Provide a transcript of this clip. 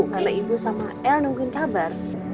karena ibu sama el nungguin kabar